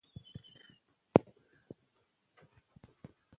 ډيپلومات د هېواد د وګړو خدمت کوي.